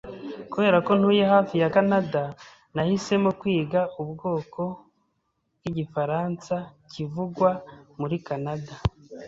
Kubera ko ntuye hafi ya Kanada, nahisemo kwiga ubwoko bwigifaransa kivugwa muri Kanada.